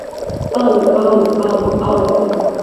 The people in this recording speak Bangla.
আউ, আউ, আউ, আউ।